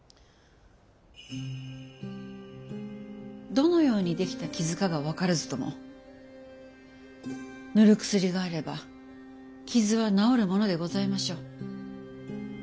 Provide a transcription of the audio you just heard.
どのように出来た傷かは分からずとも塗る薬があれば傷は治るものでございましょう。